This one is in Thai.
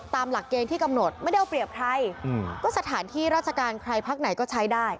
หลักเกณฑ์ที่กำหนดไม่ได้เอาเปรียบใครก็สถานที่ราชการใครพักไหนก็ใช้ได้